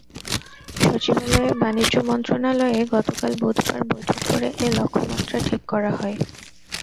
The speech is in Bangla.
সচিবালয়ের বাণিজ্য মন্ত্রণালয়ে গতকাল বুধবার বৈঠক করে এ লক্ষ্যমাত্রা ঠিক করা হয়।